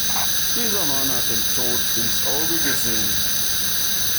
Dieser Mann hat dem Tod ins Auge gesehen.